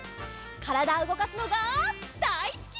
からだをうごかすのがだいすき！